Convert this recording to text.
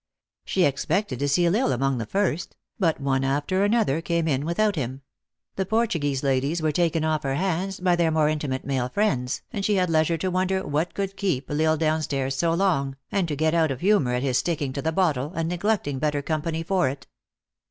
She expect ed to see L Isle among the first ; but one after another came in without him ; the Portuguese ladies were taken off her hands by their more intimate male friends, and she had leisure to wonder what could keep L Islo down stairs so long, and to get but of hu 260 THE ACTEESS IN HIGH LIFE. mor at his sticking to the bottle, and neglecting bet ter company for it.